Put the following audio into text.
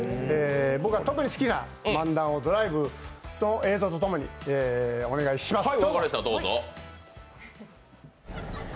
僕が特に好きな漫談をドライブの映像とともにお願いします！